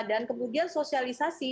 dan kemudian sosialisasi